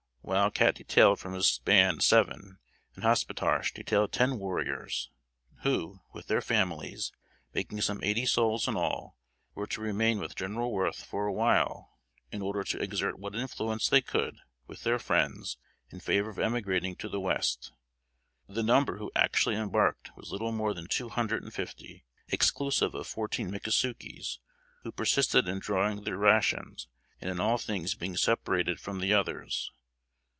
Wild Cat detailed from his band seven, and Hospetarche detailed ten warriors, who, with their families, making some eighty souls in all, were to remain with General Worth for a while in order to exert what influence they could with their friends in favor of emigrating to the West. The number who actually embarked was little more than two hundred and fifty, exclusive of fourteen Mickasukies, who persisted in drawing their rations, and in all things being separated from the others.